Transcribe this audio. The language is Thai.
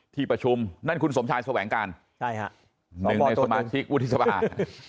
ที่ประชุมนั่นคุณสมชายแสวงการหนึ่งในสมาชิกวุฒิสภา